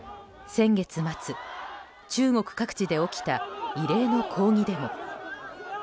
先月末、中国各地で起きた異例の抗議デモ。